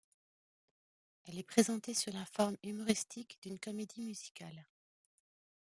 Elle est présentée sous la forme humoristique d'une comédie musicale.